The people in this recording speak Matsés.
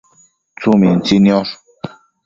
tsumintsi niosh